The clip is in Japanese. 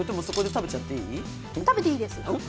食べちゃっていいです。